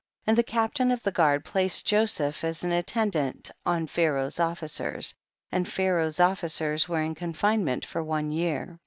5. And the captain of the guard placed Joseph as an attendant on Pharaoh's officers, and Pharaoh's of ficers were in confinement one year.